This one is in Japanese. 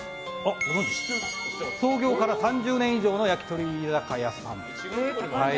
創業から３０年以上の焼き鳥居酒屋さん。